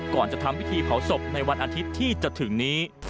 ก่อนจะทำวิธีเพาสมในวันอันที่ที่จะถึงนี้